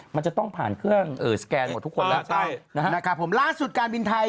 มันจะต้องผ่านเครื่องสแกนหมดทุกคนแล้วใช่นะครับผมล่าสุดการบินไทย